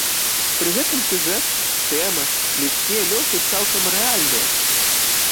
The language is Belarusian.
Пры гэтым сюжэт, тэма, людскія лёсы цалкам рэальныя.